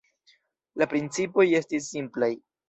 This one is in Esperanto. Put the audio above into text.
La principoj estis simplaj.